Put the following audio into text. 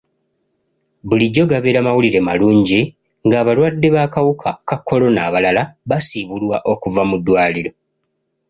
Bulijjo gabeera mawulire malungi ng'abalwadde b'akawuka ka kolona abalala basiibulwa okuva mu ddwaliro.